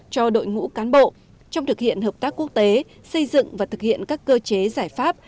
cho đội ngũ cán bộ trong thực hiện hợp tác quốc tế xây dựng và thực hiện các cơ chế giải pháp